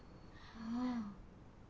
ああ。